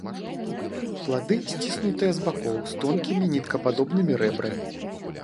Плады сціснутыя з бакоў, з тонкімі ніткападобнымі рэбрамі.